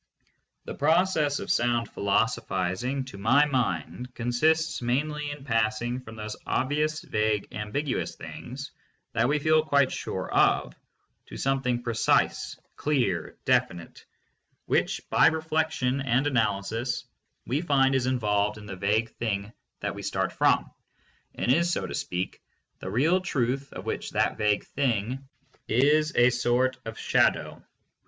The process of sound philosophizing, to my mind, consists mainly in passing from those obvious, vague, ambiguous things, 498 THE MONIST. that we feel quite sure of, to something precise, clear, defi nite, which by reflection and analysis we find is involved in the vague thing that we started from, and is, so to speak, the real truth of which that vague thing is a sort of shadow.